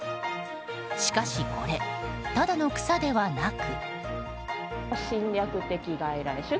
しかしこれ、ただの草ではなく。